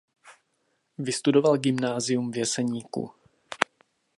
Vystudoval gymnázium v Jeseníku.